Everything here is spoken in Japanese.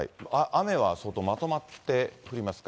雨は相当まとまって降りますか。